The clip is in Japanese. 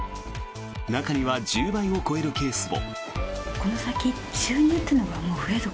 中には１０倍を超えるケースも。